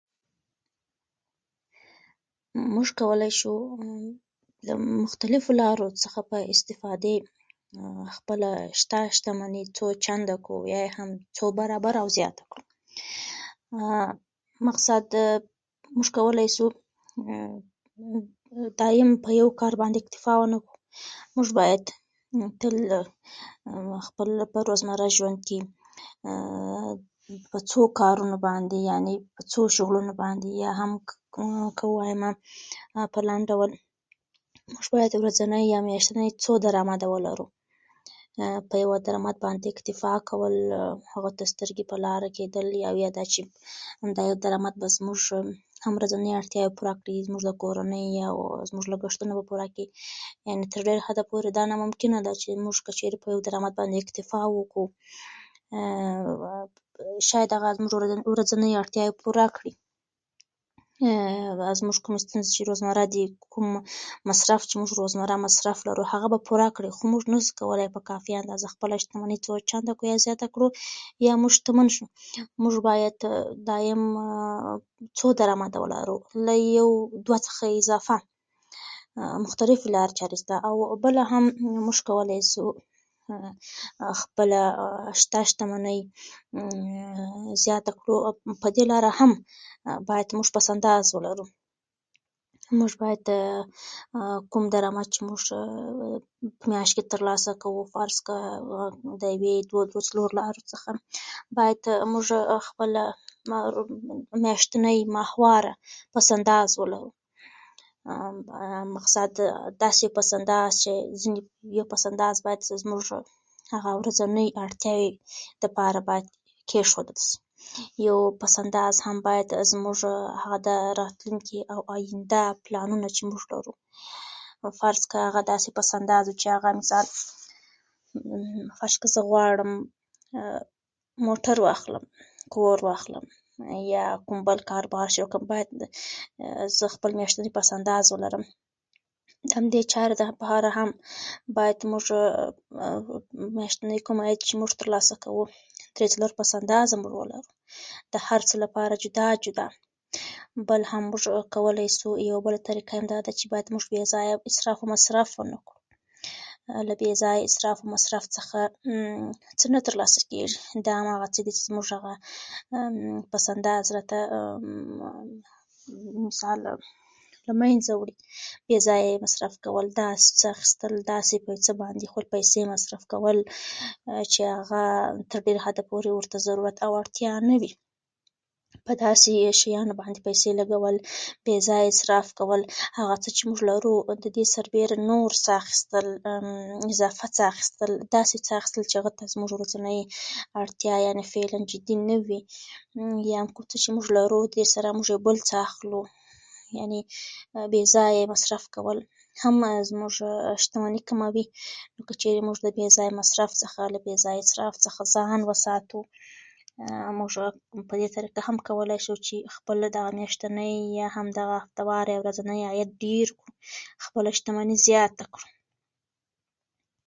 زه تاته په تمه وم بهر